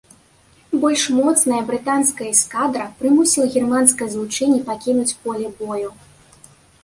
Больш моцная брытанская эскадра прымусіла германскае злучэнне пакінуць поле бою.